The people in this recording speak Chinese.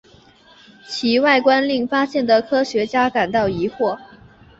其外观令发现的科学家感到疑惑。